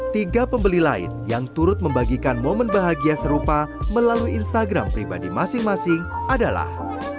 tiga pembeli lain yang turut membagikan momen bahagia serupa melalui instagram pribadi masing masing adalah